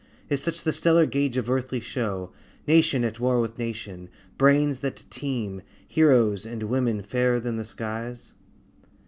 Is such the stellar gauge of earthly show, Nation at war with nation, brains that teem, Heroes, and women fairer than the skies?